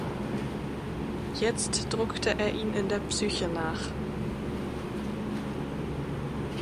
Jetzt druckte er ihn in der "Psyche" nach.